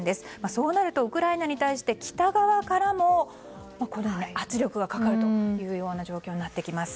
そうなるとウクライナに対して北側からも圧力がかかるという状況になってきます。